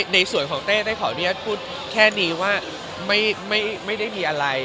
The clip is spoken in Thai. ในส่วนของเต้ได้ขออนุญาตพูดแค่นี้ว่าไม่ได้มีอะไร